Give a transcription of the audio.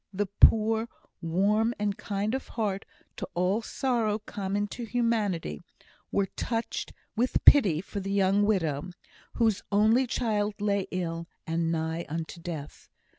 The poor (warm and kind of heart to all sorrow common to humanity) were touched with pity for the young widow, whose only child lay ill, and nigh unto death.